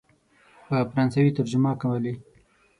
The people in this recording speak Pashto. په فرانسوي ترجمه کولې.